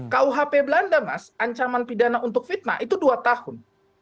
kuhp belanda mas ancaman pidana untuk fitnah itu dua tahun